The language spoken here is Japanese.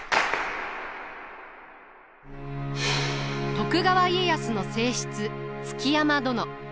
徳川家康の正室築山殿。